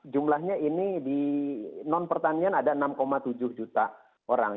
jumlahnya ini di non pertanian ada enam tujuh juta orang